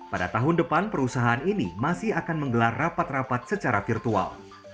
pada tahun depan perusahaan ini masih akan menggelar rapat rapat secara virtual